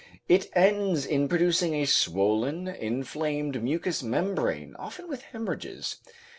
It ends in producing a swollen, inflamed mucous membrane, often with hemorrhages.